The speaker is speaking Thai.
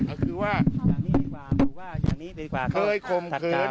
ก็คือว่าอย่างนี้ดีกว่าหรือว่าอย่างนี้ดีกว่าเคยคมเขิน